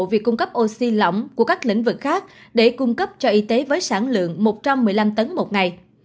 việc cung cấp oxy lỏng của các lĩnh vực khác để cung cấp cho y tế với sản lượng một trăm một mươi năm tấn một ngày